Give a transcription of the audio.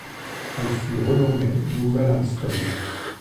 Elle fut renommée Nouvelle-Amstel.